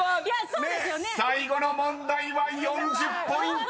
［最後の問題は４０ポイント］